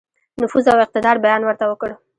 نفوذ او اقتدار بیان ورته وکړ.